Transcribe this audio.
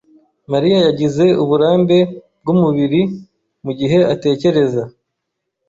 Mariya yagize uburambe bwumubiri mugihe atekereza.